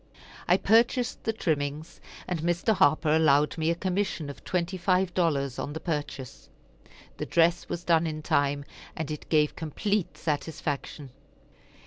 I purchased the trimmings, and Mr. Harper allowed me a commission of twenty five dollars on the purchase. The dress was done in time, and it gave complete satisfaction.